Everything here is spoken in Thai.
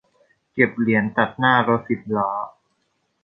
เก็บเหรียญตัดหน้ารถสิบล้อ